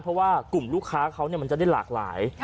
เพราะว่ากลุ่มลูกค้าเขามันจะได้หลากหลาย